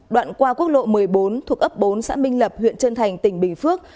đoạn qua quốc lộ một mươi bốn thuộc ấp bốn xã minh lập huyện trân thành tỉnh bình phước